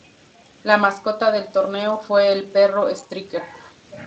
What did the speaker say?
La mascota del torneo fue el perro "Striker".